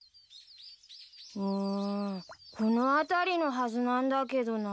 うーんこの辺りのはずなんだけどな。